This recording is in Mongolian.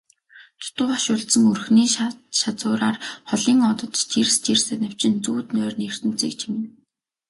Дутуу хошуулдсан өрхний шазуураар холын одод жирс жирс анивчин зүүд нойрны ертөнцийг чимнэ.